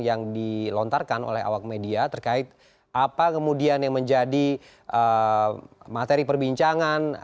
yang dilontarkan oleh awak media terkait apa kemudian yang menjadi materi perbincangan